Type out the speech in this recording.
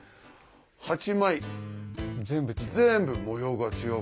８枚全部模様が違う。